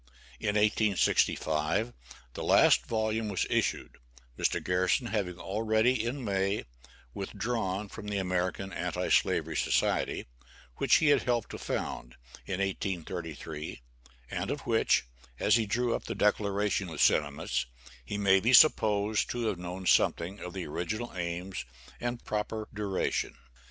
In 1865 the last volume was issued, Mr. Garrison having already, in May, withdrawn from the American Anti slavery Society, which he had helped to found, in 1833, and of which, as he drew up the Declaration of Sentiments, he may be supposed to have known something of the original aims and proper duration.